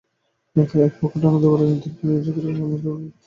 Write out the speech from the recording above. একপক্ষ টানা দুবারের নির্বাচিত মেয়র জাকারিয়া আহমদ ওরফে পাপলু পরিবর্তন চাইছেন।